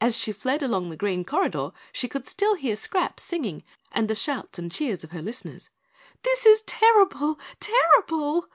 As she fled along the green corridor she could still hear Scraps singing and the shouts and cheers of her listeners. "This is terrible terrible!"